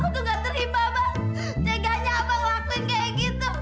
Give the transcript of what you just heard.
aku tuh gak terima bang seganya abang ngelakuin kayak gitu